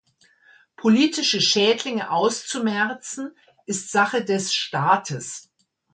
Politische Schädlinge auszumerzen ist Sache des Staates“.